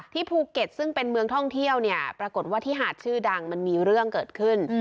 ภูเก็ตซึ่งเป็นเมืองท่องเที่ยวเนี่ยปรากฏว่าที่หาดชื่อดังมันมีเรื่องเกิดขึ้น